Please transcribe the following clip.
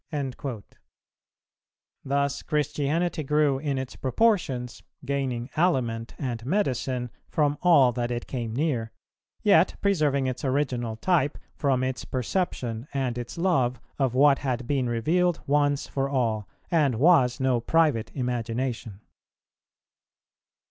"[359:1] Thus Christianity grew in its proportions, gaining aliment and medicine from all that it came near, yet preserving its original type, from its perception and its love of what had been revealed once for all and was no private imagination.